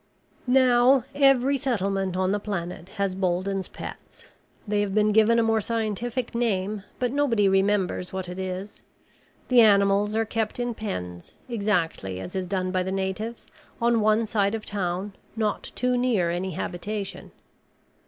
Now every settlement on the planet has Bolden's pets. They have been given a more scientific name, but nobody remembers what it is. The animals are kept in pens, exactly as is done by the natives, on one side of town, not too near any habitation.